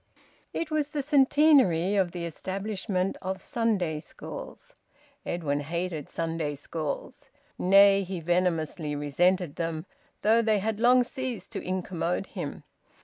It was the Centenary of the establishment of Sunday schools. Edwin hated Sunday schools. Nay, he venomously resented them, though they had long ceased to incommode him.